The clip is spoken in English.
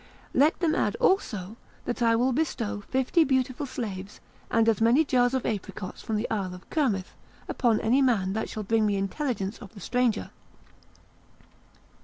Let them add also that I will bestow fifty beautiful slaves, and as many jars of apricots from the Isle of Kirmith, upon any man that shall bring me intelligence of the stranger."